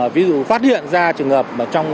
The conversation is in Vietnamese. ví dụ phát hiện ra trường hợp